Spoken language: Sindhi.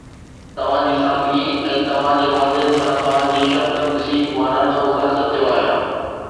توهان جي سادگي ۽ توهان جي والدين سان توهان جي شفقت ڏسي مان ڏاڍو متاثر ٿيو آهيان